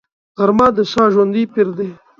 غرمه د ساده ژوندي پېر دی